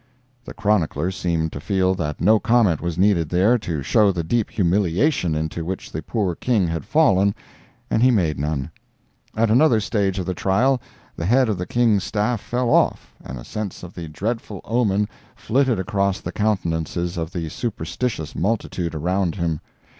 The chronicler seemed to feel that no comment was needed there to show the deep humiliation into which the poor King had fallen, and he made none. At another stage of the trial, the head of the King's staff fell off, and a sense of the dreadful omen flitted across the countenances of the superstitious multitude around him.